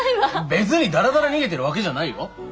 別にダラダラ逃げてるわけじゃないよ。